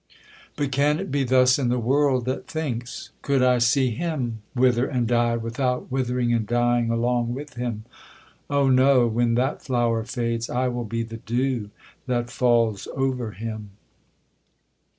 But can it be thus in the world that thinks? Could I see him wither and die, without withering and dying along with him. Oh no! when that flower fades, I will be the dew that falls over him!'